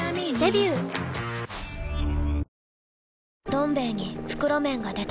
「どん兵衛」に袋麺が出た